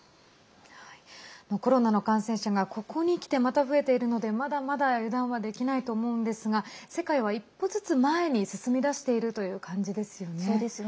コロナの感染者が、ここにきてまた増えているのでまだまだ油断はできないと思うんですが世界は一歩ずつ前に進みだしているという感じですよね。